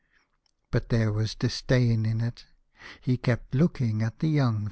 But there was disdain in it. He kept looking at the young fisherman.